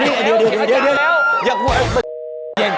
เดี๋ยวอย่ากลัว